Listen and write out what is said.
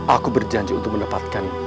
aku berjanji untuk mendapatkan